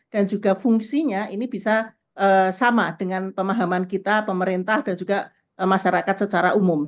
dan juga fungsinya ini bisa sama dengan pemahaman kita pemerintah dan juga masyarakat secara umum